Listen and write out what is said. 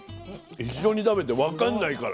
一緒に食べて分かんないから。